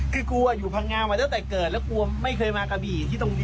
คือกลัวอยู่พังงามาตั้งแต่เกิดแล้วกลัวไม่เคยมากะบี่ที่ตรงนี้